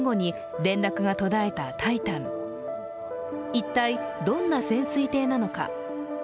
一体、どんな潜水艇なのか。